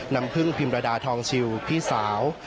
น้ำพึ่งพิมรดาทองชิวพี่สาว